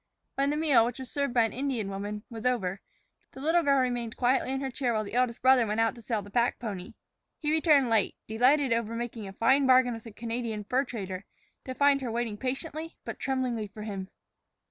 When the meal, which was served by an Indian woman, was over, the little girl remained quietly in her chair while the eldest brother went out to sell the pack pony. He returned late, delighted over making a fine bargain with a Canadian fur trader, to find her waiting patiently but tremblingly for him.